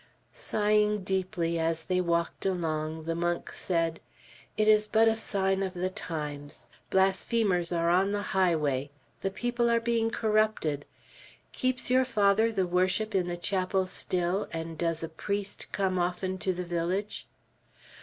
Sighing deeply as they walked along, the monk said: "It is but a sign of the times. Blasphemers are on the highway. The people are being corrupted. Keeps your father the worship in the chapel still, and does a priest come often to the village?"